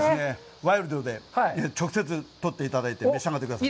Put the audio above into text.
ワイルドで、直接取っていただいて召し上がってください。